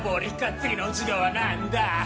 次の授業は何だ？